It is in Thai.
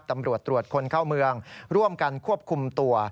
ตำรวจตรวจคนเข้าเมืองร่วมกันควบคุมตัว